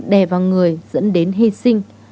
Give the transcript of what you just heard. đè vào người dẫn đến hy sinh